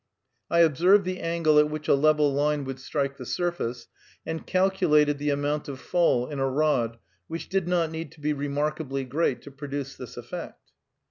I observed the angle at which a level line would strike the surface, and calculated the amount of fall in a rod, which did not need to be remarkably great to produce this effect.